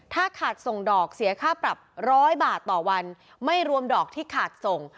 ถ้าขาดส่งดอกเสียค่าปรับร้อยบาทต่อวันไม่รวมดอกที่ขาดส่ง